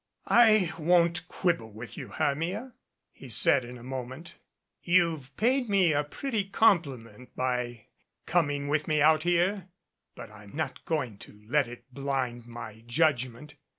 "I won't quibble with you, Hermia," he said in a mo ment. "You've paid me a pretty compliment by coming with me out here. But I'm not going to let it blind my judgment.